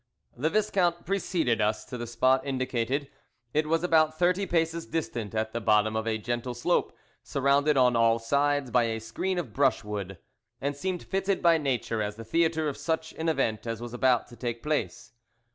The Viscount preceded us to the spot indicated. It was about thirty paces distant, at the bottom of a gentle slope surrounded on all sides by a screen of brushwood, and seemed fitted by nature as the theatre of such an event as was about to take place.